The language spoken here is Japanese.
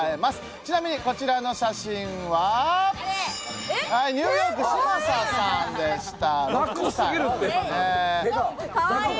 ちなみにこちらの写真はニューヨーク・嶋佐さんでした。